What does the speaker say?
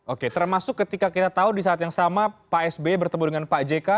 oke termasuk ketika kita tahu di saat yang sama pak sby bertemu dengan pak jk